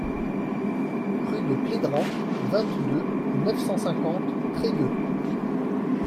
Rue de Plédran, vingt-deux, neuf cent cinquante Trégueux